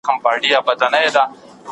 هغې د فشار له امله په دفتر کې ستونزې لرلې.